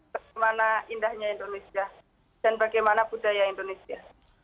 bagaimana indahnya indonesia dan bagaimana budaya indonesia